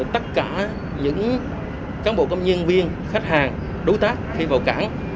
tất cả những cán bộ công nhân viên khách hàng đối tác khi vào cảng